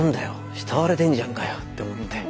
慕われてんじゃんかよ」って思って。